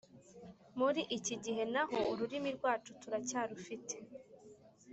Muri iki gihe na ho, ururimi rwacu turacyarufite